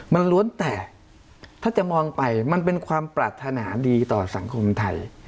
มันล้วนแต่ถ้าจะมองไปมันเป็นความปรารถนาดีต่อสังคมไทย